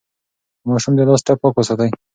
د ماشوم د لاس ټپ پاک وساتئ.